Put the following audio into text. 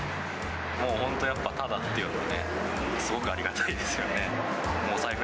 もう本当、ただっていうので、すごくありがたいですよね。